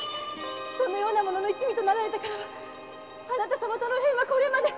その者の一味となられたからはあなた様との縁はこれまで！